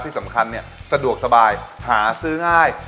ที่สำคัญเนี่ยสะดวกสบายหาซื้อง่าย